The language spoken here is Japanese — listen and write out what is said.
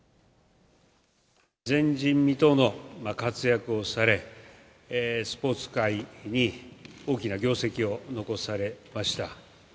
前人未到の活躍をされ、スポーツ界に大きな業績を残されました。